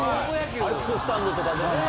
アルプススタンドとかでね。